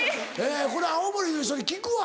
これ青森の人に聞くわ。